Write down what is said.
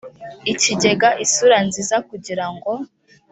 ikigega isura nziza kugira ngo